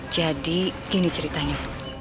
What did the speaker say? jadi gini ceritanya